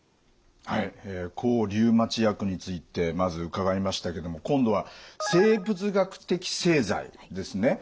はい抗リウマチ薬についてまず伺いましたけども今度は生物学的製剤ですね。